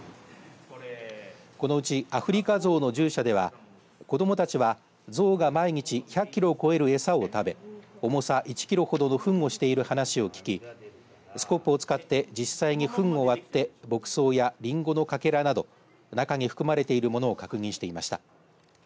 このうちアフリカゾウの獣舎では子どもたちはゾウが毎日１００キロを超える餌を食べ重さ１キロほどのふんをしている話を聞きスコップを使って実際にふんを割って牧草やリンゴのかけらなど中に含まれているものを確認していました。